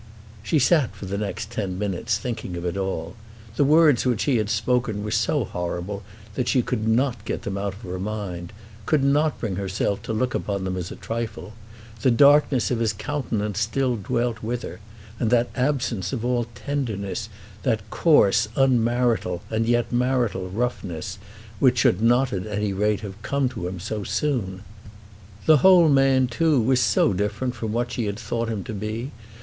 She sat for the next ten minutes thinking of it all. The words which he had spoken were so horrible that she could not get them out of her mind, could not bring herself to look upon them as a trifle. The darkness of his countenance still dwelt with her, and that absence of all tenderness, that coarse un marital and yet marital roughness, which should not at any rate have come to him so soon. The whole man too was so different from what she had thought him to be.